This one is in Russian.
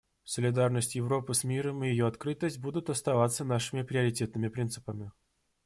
Солидарность Европы с миром и ее открытость будут оставаться нашими приоритетными принципами.